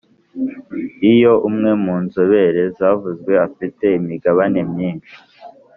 Iyo umwe mu nzobere zavuzwe afite imigabane myinshi